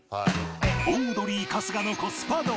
『オードリー春日のコスパ道』。